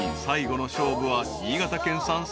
最後の勝負は新潟県産